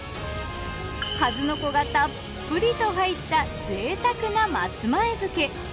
数の子がたっぷりと入ったぜいたくな松前漬。